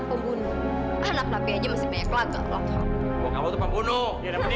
eh eh lagi apa sih hak lo untuk ngelarang dia